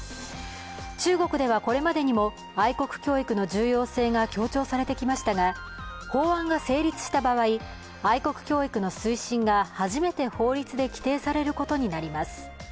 中国では、これまでにも愛国教育の重要性が強調されてきましたが法案が成立した場合、愛国教育の推進が初めて法律で規定されることになります。